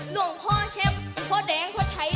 หลวงพ่อเชฟพ่อแดงพ่อชัย